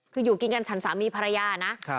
คืออยู่กินกันฉันสามีภรรยานะ